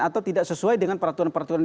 atau tidak sesuai dengan peraturan peraturan